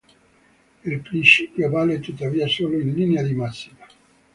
Il principio vale tuttavia solo in linea di massima.